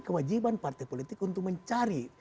kewajiban partai politik untuk mencari